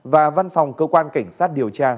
và văn phòng cơ quan cảnh sát điều tra